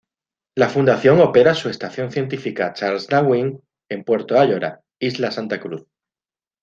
La Fundación opera su Estación Científica Charles Darwin en Puerto Ayora, Isla Santa Cruz.